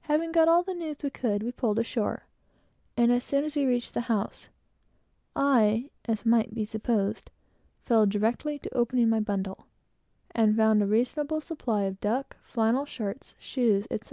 Having got all the news we could, we pulled ashore; and as soon as we reached the house, I, as might be supposed, proceeded directly to opening my bundle, and found a reasonable supply of duck, flannel shirts, shoes, etc.